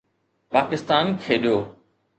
پاڪستان کيڏيو